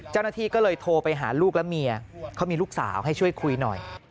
เจ้าหน้าที่ก็เลยโทรไปหาลูกและเมียเขามีลูกสาวให้ช่วยคุยหน่อย